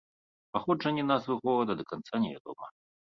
Паходжанне назвы горада да канца невядома.